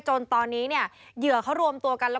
จนตอนนี้เหยื่อเขารวมตัวกัน